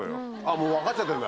もう分かっちゃってる